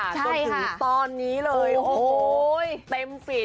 ใช่ค่ะจนถึงตอนนี้เลยโอ้โหเต็มฟิด